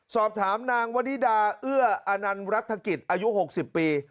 สอบถามนางวนิดาเอื้ออนันรัฐกิจอายุ๖๐ปี